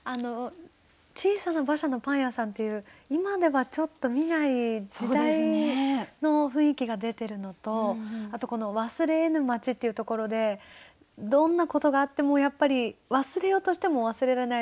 「小さな馬車のパン屋さん」っていう今ではちょっと見ない時代の雰囲気が出てるのとあとこの「忘れえぬ街」っていうところでどんなことがあってもやっぱり忘れようとしても忘れられない